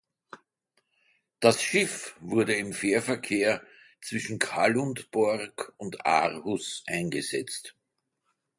Das Schiff wurde im Fährverkehr zwischen Kalundborg und Aarhus eingesetzt.